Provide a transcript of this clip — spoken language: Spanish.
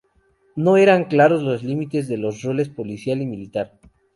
No eran claros los límites de los roles policial y militar.